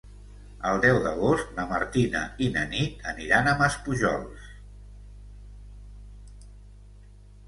El deu d'agost na Martina i na Nit aniran a Maspujols.